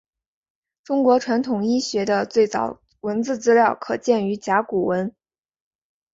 中国传统医学的最早文字资料可见于甲骨文。